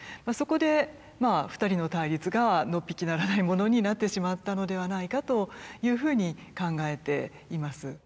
そこで２人の対立がのっぴきならないものになってしまったのではないかというふうに考えています。